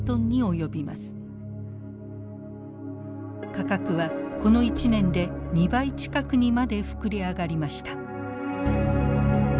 価格はこの１年で２倍近くにまで膨れ上がりました。